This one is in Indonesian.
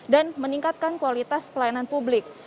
dan meningkatkan kualitas pelayanan publik